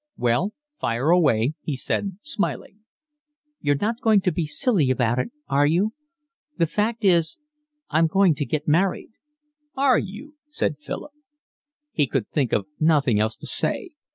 "Well, fire away," he said, smiling. "You're not going to be silly about it, are you? The fact is I'm going to get married." "Are you?" said Philip. He could think of nothing else to say.